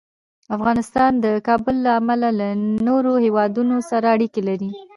افغانستان د کابل له امله له نورو هېوادونو سره اړیکې لري.